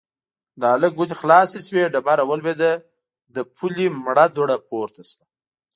د هلک ګوتې خلاصې شوې، ډبره ولوېده، له پولې مړه دوړه پورته شوه.